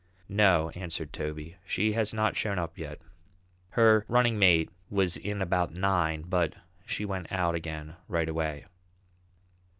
"No," answered Toby, "she hasn't shown up yet. Her running mate was in about nine, but she went out again right away."